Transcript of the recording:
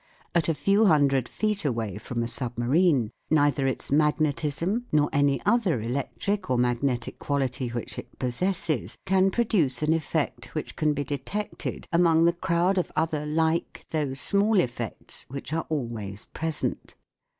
At a few hundred feet away from a submarine neither its magnetism, nor any other electric or magnetic quality which it possesses, can produce an effect which can be detected among the crowd of other like, though small, effects which are always pre sent.